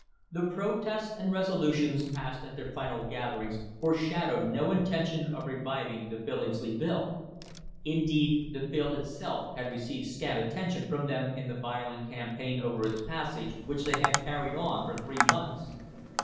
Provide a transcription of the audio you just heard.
The protests and resolutions passed at their final gatherings foreshadowed no intention of reviving the Billingsley Bill. Indeed, the bill itself had received scant attention from them in the violent campaign over its passage which they had carried on for three months.